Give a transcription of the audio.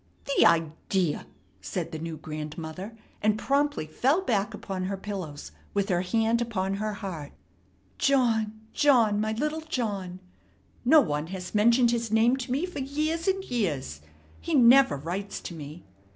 "The idea!" said the new grandmother, and promptly fell back upon her pillows with her hand upon her heart. "John, John, my little John. No one has mentioned his name to me for years and years. He never writes to me."